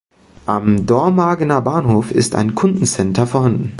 Am Dormagener Bahnhof ist ein Kundencenter vorhanden.